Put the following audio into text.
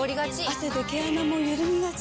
汗で毛穴もゆるみがち。